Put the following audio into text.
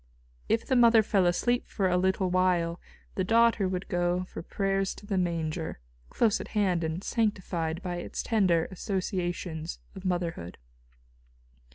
If the mother fell asleep for a little while, the daughter would go for prayers to the Manger, close at hand and sanctified by its tender associations of motherhood.